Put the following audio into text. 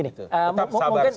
tetap sabar saja